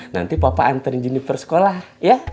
nanti papa anterin juniper sekolah ya